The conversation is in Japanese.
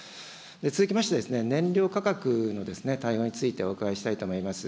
続きまして、燃料価格の対応についてお伺いしたいと思います。